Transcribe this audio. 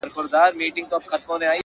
چي مُلا دي راته لولي زه سلګی درته وهمه؛